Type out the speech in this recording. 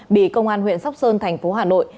bị công an huyện sóc sơn thành phố hà nội